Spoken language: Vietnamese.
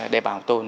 để bảo tồn